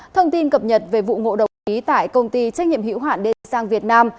thông tin cập nhật về vụ ngộ đồng ý tại công ty trách nhiệm hữu hạn đê sang việt nam